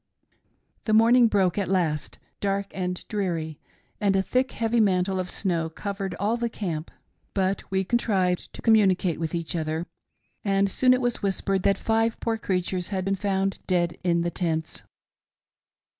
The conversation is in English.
" The morning broke at last, dark and dreary, and a thick heavy mantle of snow covered all the camp, but we contrived to communicate with each other, and soon it was whispered that five poor creatures had been found dead in the tents.